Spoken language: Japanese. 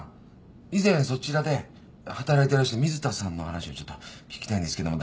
以前そちらで働いていらした水田さんの話をちょっと聞きたいんですけども。